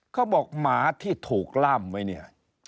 เขาบอกหมาที่ถูกล่ามไว้เนี่ย